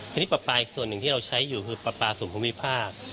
คณิตปรับปลาอีกส่วนหนึ่งที่เราใช้อยู่คือปรับปลาศูนย์ภูมิภาค